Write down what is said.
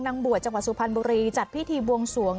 นางบวชจังหวัดสุพรรณบุรีจัดพิธีบวงสวง